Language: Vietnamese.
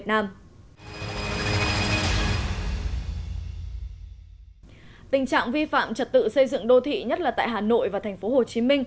tình trạng vi phạm trật tự xây dựng đô thị nhất là tại hà nội và tp hcm